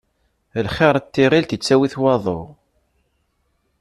Lxiṛ n tiɣilt, ittawi-t waḍu.